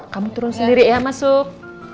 kamu turun sendiri ya masuk